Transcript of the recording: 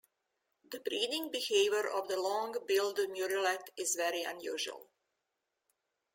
The breeding behaviour of the long-billed murrelet is very unusual.